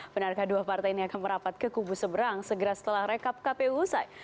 benarkah dua partai ini akan merapat ke kubu seberang segera setelah rekap kpu usai